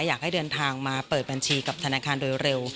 อยากให้เดินทางมาเปิดบัญชีกับธนาคารโดยเร็ว